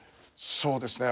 そうですね。